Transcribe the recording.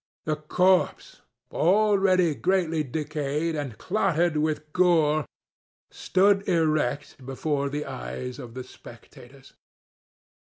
The corpse, already greatly decayed and clotted with gore, stood erect before the eyes of the spectators.